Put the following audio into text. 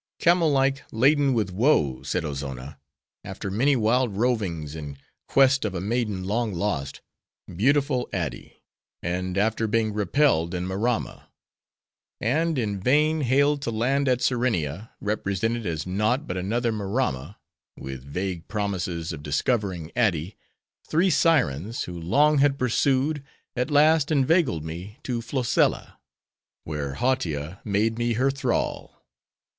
"'Camel like, laden with woe,' said Ozonna, 'after many wild rovings in quest of a maiden long lost—beautiful Ady! and after being repelled in Maramma; and in vain hailed to land at Serenia, represented as naught but another Maramma;—with vague promises of discovering Ady, three sirens, who long had pursued, at last inveigled me to Flozella; where Hautia made me her thrall.